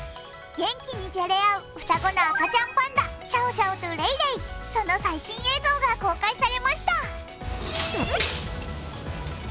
元気にじゃれ合う双子の赤ちゃんパンダ、シャオシャオとレイレイ、その最新映像が公開されました。